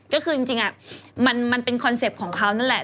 ก็คือจริงมันเป็นคอนเซ็ปต์ของเขานั่นแหละ